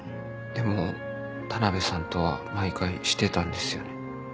でも田辺さんとは毎回してたんですよね。